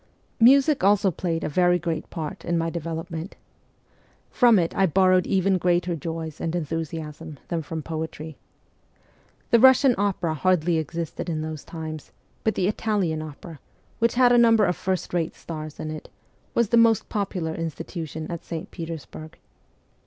Music also played a very great part in my develop ment. From it I borrowed even greater joys and enthusiasm than from poetry. The Russian opera hardly existed in those times ; but the Italian opera, which had a number of first rate stars in it, was the most popular institution at St. Petersburg.